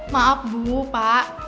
maaf bu pak